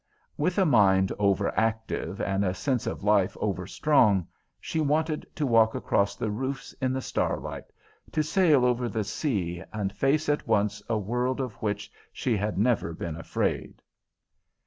With a mind over active and a sense of life over strong, she wanted to walk across the roofs in the starlight, to sail over the sea and face at once a world of which she had never been afraid.